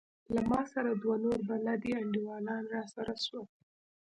له ما سره دوه نور بلدي انډيوالان راسره سول.